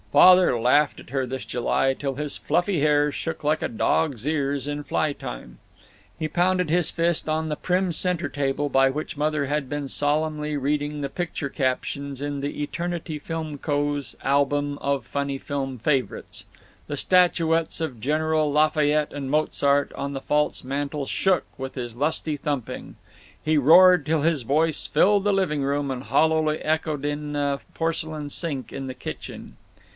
Father laughed at her this July till his fluffy hair shook like a dog's ears in fly time. He pounded his fist on the prim center table by which Mother had been solemnly reading the picture captions in the Eternity Filmco's Album of Funny Film Favorites. The statuettes of General Lafayette and Mozart on the false mantel shook with his lusty thumping. He roared till his voice filled the living room and hollowly echoed in the porcelain sink in the kitchen.